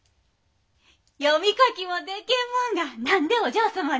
読み書きもでけん者が何でお嬢様に。